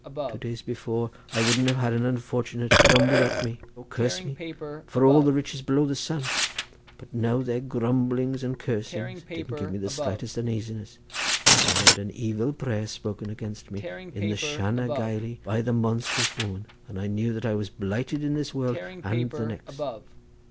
Two days before I wouldn't have had an unfortunate grumble at me, or curse me, for all the riches below the sun; but now their grumblings and curses didn't give me the slightest uneasiness, for I had an evil prayer spoken against me in the Shanna Gailey by the monstrous woman, and I knew that I was blighted in this world and the next.